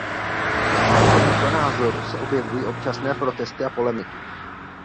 Proti tomuto názoru se objevují občasné protesty a polemiky.